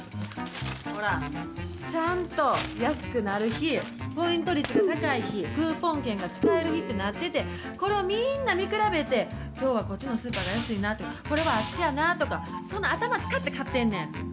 ほら、ちゃんと安くなる日、ポイント率が高い日、クーポン券が使える日ってなってて、これをみーんな見比べて、きょうはこっちのスーパーが安いなとか、これはあっちやなとか、そんな頭使って買ってんねん。